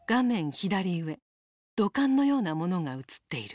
左上土管のようなものが映っている。